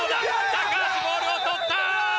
高橋ボールを取った！